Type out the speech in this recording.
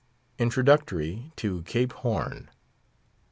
INTRODUCTORY TO CAPE HORN.